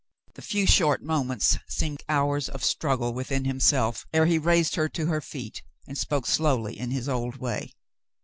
The few short moments seemed hours of struggle with himself ere he raised her to her feet and spoke quietly, in his old way.